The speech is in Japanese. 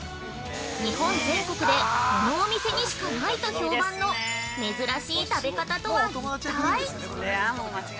日本全国でこのお店にしかないと評判の珍しい食べ方とは一体？